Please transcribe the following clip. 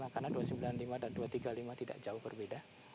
karena dua ratus sembilan puluh lima dan dua ratus tiga puluh lima tidak jauh berbeda